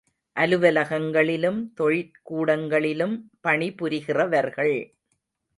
அலுவலகங்களிலும் தொழிற் கூடங்களிலும் பணிபுரிகிறவர்கள்.